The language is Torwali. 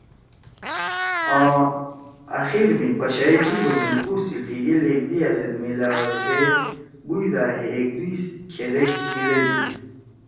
آں آخِر می پشائی جیِب او ہندکو سی ٹیِگیل ایکدیِا سیت میِلأدے بُوئی دا ہے ایکدُوئی سیت کھیدیک میِلَدی۔